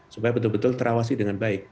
supaya betul betul terawasi dengan baik